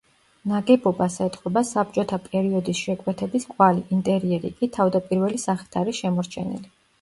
ნაგებობას ეტყობა საბჭოთა პერიოდის შეკვეთების კვალი, ინტერიერი კი, თავდაპირველი სახით არის შემოჩენილი.